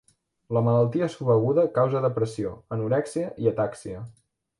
La malaltia subaguda causa depressió, anorèxia i atàxia.